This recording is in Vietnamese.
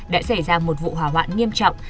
đã xảy ra một vụ hỏa hoạn nghiêm trọng